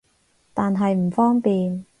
但係唔方便